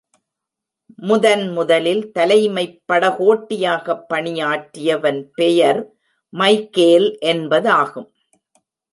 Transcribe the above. முதன் முதலில் தலைமைப் படகோட்டியாகப் பணியாற்றியவன் பெயர் மைகேல் என்பதாகும்.